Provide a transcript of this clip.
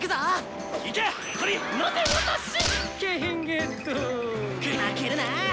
負けるな！